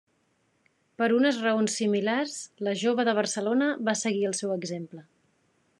Per unes raons similars la Jove de Barcelona va seguir el seu exemple.